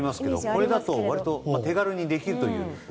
これだと割と手軽にできますね。